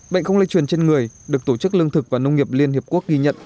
bệnh không lây truyền trên người được tổ chức lương thực và nông nghiệp liên hiệp quốc ghi nhận